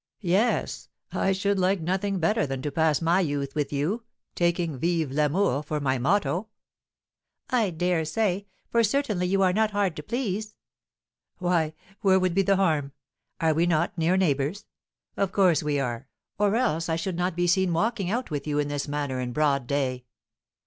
"Yes, I should like nothing better than to pass my youth with you, taking 'Vive l'amour!' for my motto." "I dare say, for certainly you are not hard to please." "Why, where would be the harm, are we not near neighbours? Of course we are, or else I should not be seen walking out with you in this manner in broad day."